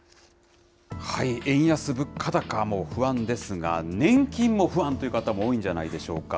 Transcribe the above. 円安、物価高も不安ですが、年金も不安という方も多いんじゃないでしょうか。